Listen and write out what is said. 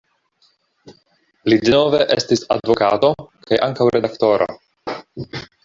Li denove estis advokato kaj ankaŭ redaktoro.